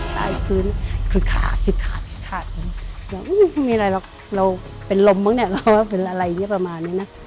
ใต้พื้นคือขาดมีอะไรหรอกเป็นลมมั้งเนี่ยเป็นอะไรประมาณนี้นะ